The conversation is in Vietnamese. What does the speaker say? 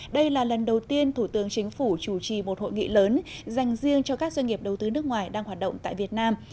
đây là lần đầu tiên thủ tướng chính phủ chủ trì một hội nghị lớn dành riêng cho các doanh nghiệp đầu tư nước ngoài đang hoạt động tại việt nam